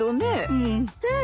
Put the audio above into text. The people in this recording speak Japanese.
うん。